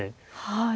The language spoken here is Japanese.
はい。